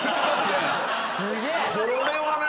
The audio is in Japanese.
これはね